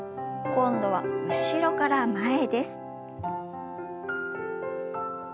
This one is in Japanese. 今度は後ろから前です。